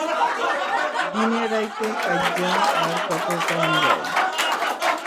দিনে রাইতে কাইজ্জা আর কত সওন যায়।